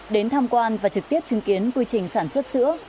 đến tham quan và trực tiếp chứng kiến quy trình sản xuất sữa